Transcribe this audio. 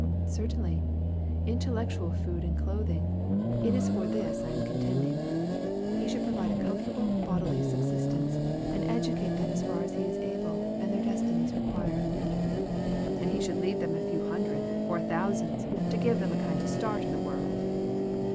"Certainly intellectual food and clothing. It is for this I am contending. He should provide a comfortable bodily subsistence, and educate them as far as he is able and their destinies require." "And he should leave them a few hundreds, or thousands, to give them a kind of a start in the world."